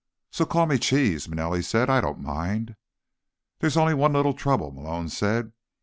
"So call me Cheese," Manelli said. "I don't mind." "There's only one little trouble," Malone said.